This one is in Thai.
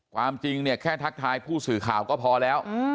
ความจริงเนี่ยแค่ทักทายผู้สื่อข่าวก็พอแล้ว